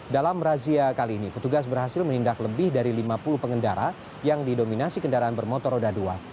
dalam razia kali ini petugas berhasil menindak lebih dari lima puluh pengendara yang didominasi kendaraan bermotor roda dua